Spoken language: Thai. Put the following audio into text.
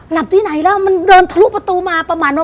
ที่ไหนแล้วมันเดินทะลุประตูมาประมาณว่า